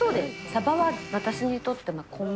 サバは私にとって、米。